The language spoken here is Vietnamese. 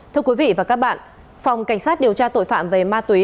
thưa quý vị và các bạn phòng cảnh sát điều tra tội phạm về ma túy